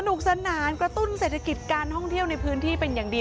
นุกสนานกระตุ้นเศรษฐกิจการท่องเที่ยวในพื้นที่เป็นอย่างดี